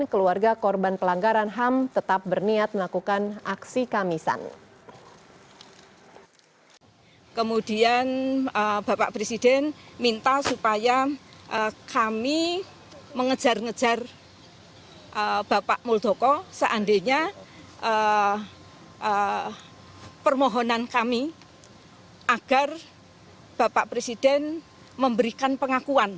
keluarga korban pelanggaran ham tetap berniat melakukan aksi kamisan